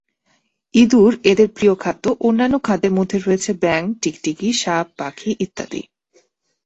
ইঁদুর এদের প্রিয় খাদ্য; অন্যান্য খাদ্যের মধ্যে রয়েছে ব্যাঙ, টিকটিকি, সাপ, পাখি ইত্যাদি।